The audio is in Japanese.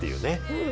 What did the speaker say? うん。